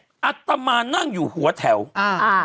อัตมานั่งอยู่หัวแถวอ่าอ่า